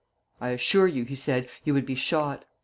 'I assure you,' he said, 'you would be shot.'